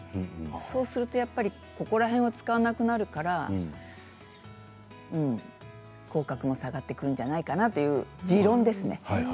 そうすると、やっぱりほおの周りを使わなくなるから口角も下がってくるんじゃないかなという持論です。